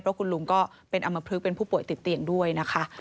เพราะคุณลุงก็เป็นอำมพลึกเป็นผู้ป่วยติดเตียงด้วยนะคะ